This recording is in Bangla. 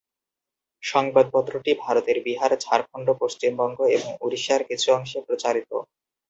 সংবাদপত্রটি ভারতের বিহার, ঝাড়খণ্ড, পশ্চিমবঙ্গ এবং উড়িষ্যার কিছু অংশে প্রচারিত।